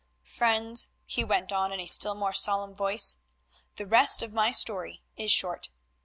"Friends," he went on in a still more solemn voice, "the rest of my story is short.